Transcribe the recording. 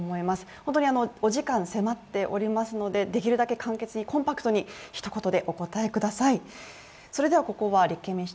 本当にお時間迫っておりますのでできるだけ簡潔にコンパクトに一言でお答えください。